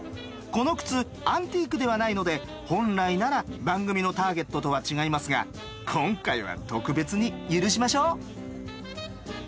この靴アンティークではないので本来なら番組のターゲットとは違いますが今回は特別に許しましょう。